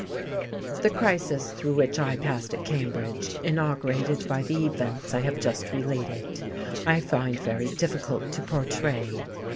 The crisis through which I passed at Cambridge, inaugurated by the events I have just related, I find very difficult to portray.